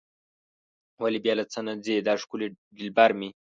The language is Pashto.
ولې بیا له څه نه ځي دا ښکلی دلبر مې.